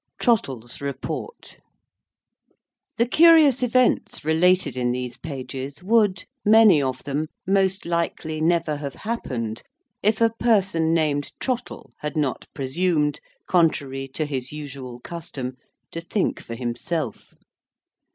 TROTTLE'S REPORT The curious events related in these pages would, many of them, most likely never have happened, if a person named Trottle had not presumed, contrary to his usual custom, to think for himself.